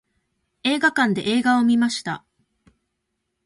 映画館で映画を観ました。